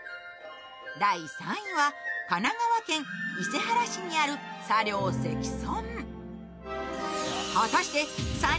第３位は、神奈川県伊勢原市にある茶寮石尊。